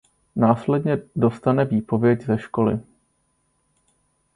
Následně dostane výpověď ze školy.